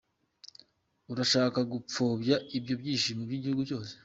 !urashaka gupfobya ibyo byishimo by’igihugu cyose?